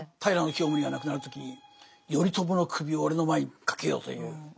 平清盛が亡くなる時に「頼朝の首を俺の前にかけよ」という。